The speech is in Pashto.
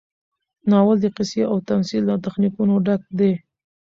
ناول د قصې او تمثیل له تخنیکونو ډک دی.